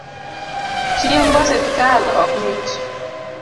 Chiemb osiptal ok mit